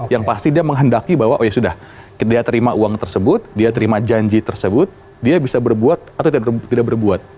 yang pasti dia menghendaki bahwa oh ya sudah dia terima uang tersebut dia terima janji tersebut dia bisa berbuat atau tidak berbuat